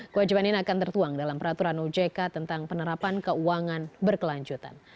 kewajiban ini akan tertuang dalam peraturan ojk tentang penerapan keuangan berkelanjutan